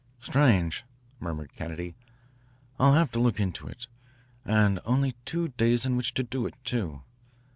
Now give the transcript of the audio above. "Strange," murmured Kennedy. "I'll have to look into it. And only two days in which to do it, too.